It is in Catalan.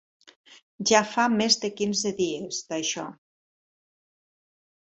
Ja fa més de quinze dies, d'això...